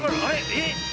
えっ？